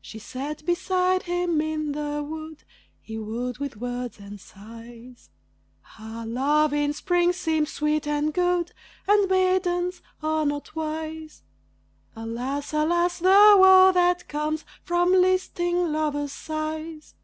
She sat beside him in the wood He wooed with words and sighs; Ah! love in spring seems sweet and good, And maidens are not wise. Alas! alas! the woe that comes from listing lovers' sighs.